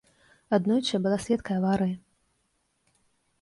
Аднойчы я была сведкай аварыі.